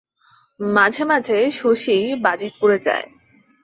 মাঝে মাঝে শশী বাজিতপুরে যায়।